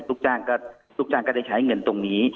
ลูกจ้างก็ได้ใช้เงินตรงนี้